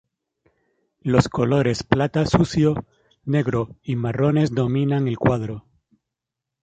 Los colores plata sucio, negro y marrones dominan el cuadro.